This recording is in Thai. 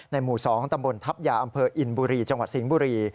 หมู่๒ตำบลทัพยาอำเภออินบุรีจังหวัดสิงห์บุรี